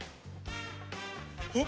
えっ！？